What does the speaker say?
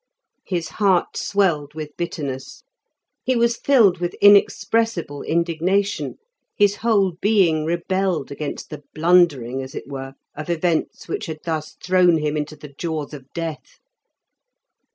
His heart swelled with bitterness; he was filled with inexpressible indignation, his whole being rebelled against the blundering, as it were, of events which had thus thrown him into the jaws of death.